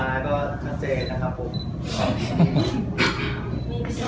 อันนี้ก็มองดูนะคะ